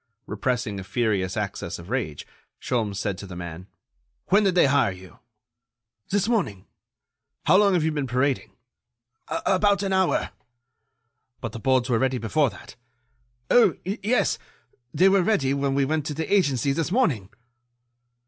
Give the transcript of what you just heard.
Repressing a furious access of rage, Sholmes said to the man: "When did they hire you?" "This morning." "How long have you been parading?" "About an hour." "But the boards were ready before that?" "Oh, yes, they were ready when we went to the agency this morning."